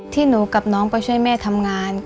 ที่หนูกับน้องไปช่วยแม่ทำงาน